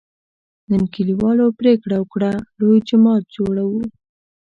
نن کلیوالو پرېکړه وکړه: لوی جومات جوړوو.